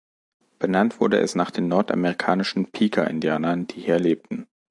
Benannt wurde es nach den nordamerikanischen Piqua-Indianern, die hier lebten.